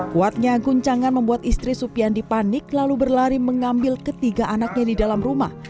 kuatnya guncangan membuat istri supiandi panik lalu berlari mengambil ketiga anaknya di dalam rumah